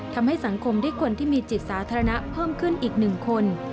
ทำให้สังคมได้คนที่มีจิตสาธารณะเพิ่มขึ้นอีก๑คน